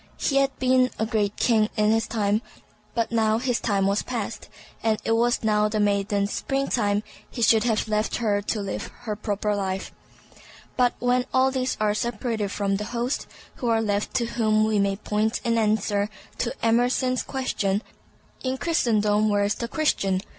He had been a great king in his time, but now his time was past, and as it was now the maiden's spring time, he should have left her to live her proper life. But when all these are separated from the host, who are left to whom we may point in answer to Emerson's question, "In Christendom, where is the Christian?"